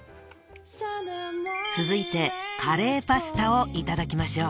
［続いてカレーパスタをいただきましょう］